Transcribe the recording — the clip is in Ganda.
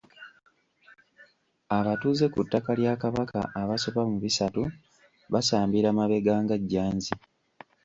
Abatuuze ku ttaka lya Kabaka abasoba mu bisatu basambira mabega nga jjanzi.